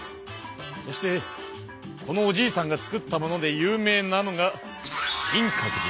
そしてこのおじいさんが作ったもので有名なのが金閣寺。